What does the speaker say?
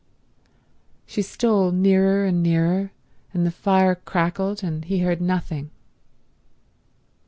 She stole nearer and nearer, and the fire crackled and he heard nothing.